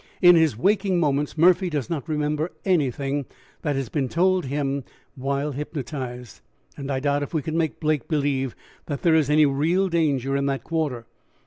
"In his waking moments Murphy does not remember anything that has been told him while hypnotized, and I doubt if we could make Blake believe that there was any real danger in that quarter.